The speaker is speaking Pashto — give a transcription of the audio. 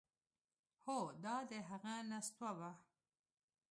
هو دا همغه نستوه و…